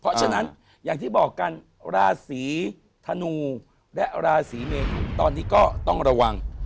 เพราะฉะนั้นอย่างที่บอกกันราศีธนูและราศีเมนูตอนนี้ก็ต้องระวัง